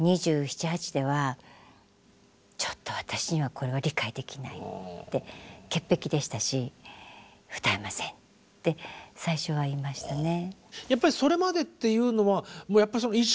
２７２８ではちょっと私にはこれは理解できないって潔癖でしたし「歌えません」って最初は言いましたね。